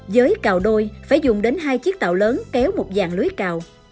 với cào đôi phải dùng đến hai chiếc tàu lớn kéo một dạng lưới cào